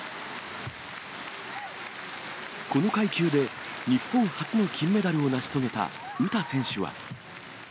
この階級で日本初の金メダルを成し遂げた詩選手は。